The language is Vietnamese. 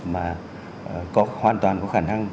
mà hoàn toàn có khả năng